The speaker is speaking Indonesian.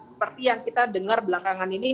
seperti yang kita dengar belakangan ini